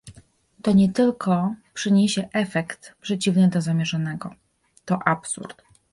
To nie tylko przyniesie efekt przeciwny do zamierzonego - to absurd